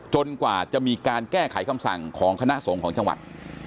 กว่าจะมีการแก้ไขคำสั่งของคณะสงฆ์ของจังหวัด